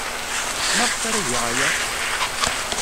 Maɣef ara geɣ aya?